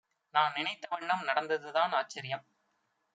நான்நினைத்த வண்ணம் நடந்ததுதான் ஆச்சரியம்.